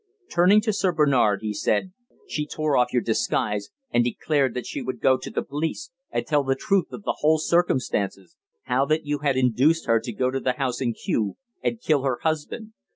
Turning to Sir Bernard, he said, "She tore off your disguise and declared that she would go to the police and tell the truth of the whole circumstances how that you had induced her to go to the house in Kew and kill her husband.